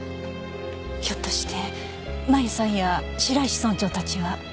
ひょっとして麻由さんや白石村長たちは。